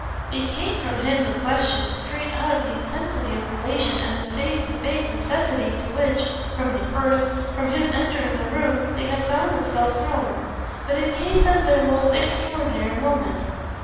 It came from him, the question, straight out of the intensity of relation and the face to face necessity into which, from the first, from his entering the room, they had found themselves thrown; but it gave them their most extraordinary moment.